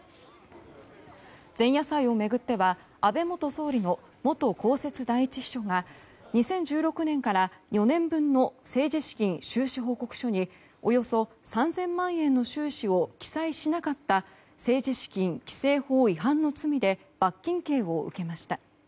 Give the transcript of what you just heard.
前夜祭を巡っては安倍元総理の元公設第１秘書が２０１６年から４年分の政治資金収支報告書におよそ３０００万円の収支を記載しなかった政治資金規正法違反の罪で罰金刑を受けました。